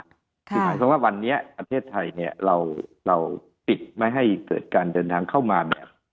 คือหมายความว่าวันนี้ประเทศไทยเนี่ยเราปิดไม่ให้เกิดการเดินทางเข้ามาเนี่ย